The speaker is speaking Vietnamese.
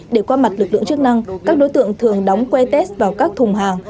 để qua mặt lực lượng chức năng các đối tượng thường đóng quay test vào các thùng hàng